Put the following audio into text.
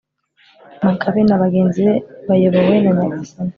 makabe na bagenzi be bayobowe na nyagasani